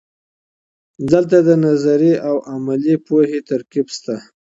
دلته د نظري او عملي پوهې ترکیب سته.